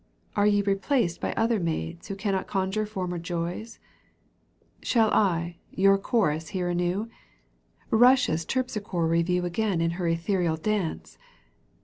Are ye replaced by other maids Who cannot conjure former joys ? Shall I your chorus hear anew, Eussia's Terpsichore review Again in her ethereal dance